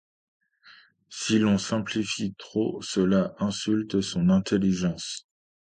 Si l’on simplifie trop, cela insulte son intelligence.